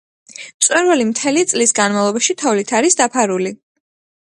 მწვერვალი მთელი წლის განმავლობაში თოვლით არის დაფარული.